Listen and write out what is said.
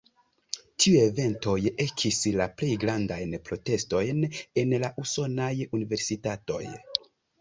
Tiuj eventoj ekis la plej grandajn protestojn en la usonaj universitatoj.